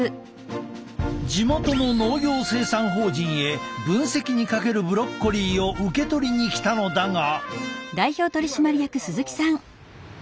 地元の農業生産法人へ分析にかけるブロッコリーを受け取りに来たのだが。